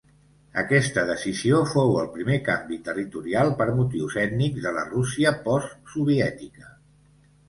Aquesta decisió fou el primer canvi territorial per motius ètnics de la Rússia post soviètica.